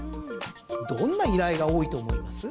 どんな依頼が多いと思います？